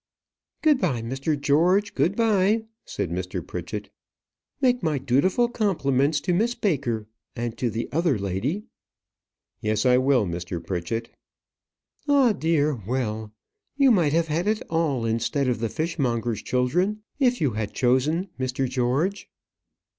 "Good bye, Mr. George; good bye," said Mr. Pritchett. "Make my dutiful compliments to Miss Baker and to the other lady." "Yes, I will, Mr. Pritchett." "Ah, dear! well. You might have had it all, instead of the fishmongers' children, if you had chosen, Mr. George."